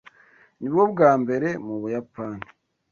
Nibwo bwa mbere mu Buyapani?